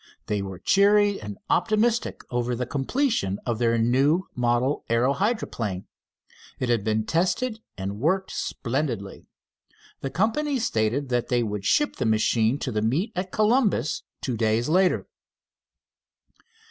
They were cheery and optimistic over the completion of their new model aero hydroplane. It had been tested and worked splendidly. The company stated that they would ship the machine to the meet at Columbus two days later.